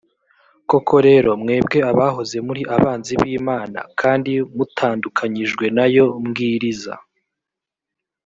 koko rero mwebwe abahoze muri abanzi b imana kandi mutandukanyijwe na yo mbwiriza